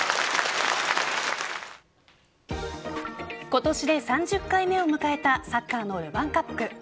今年で３０回目を迎えたサッカーのルヴァンカップ。